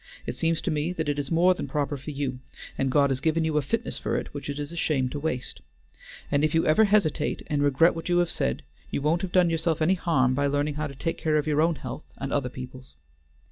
It seems to me that it is more than proper for you, and God has given you a fitness for it which it is a shame to waste. And if you ever hesitate and regret what you have said, you won't have done yourself any harm by learning how to take care of your own health and other people's."